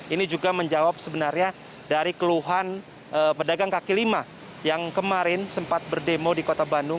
ini juga menjawab sebenarnya dari keluhan pedagang kaki lima yang kemarin sempat berdemo di kota bandung